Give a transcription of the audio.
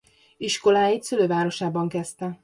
Iskoláit szülővárosában kezdte.